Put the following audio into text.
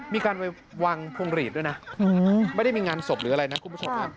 มีการไปวางพวงหลีดด้วยนะไม่ได้มีงานศพหรืออะไรนะคุณผู้ชม